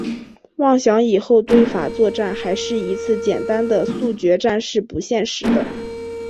妄想以后对法作战还是一次简单的速决战是不现实的。